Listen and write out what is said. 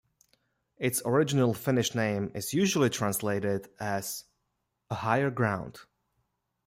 Its original Finnish name is usually translated as "a higher ground".